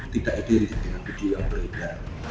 tidak identik dengan video yang beredar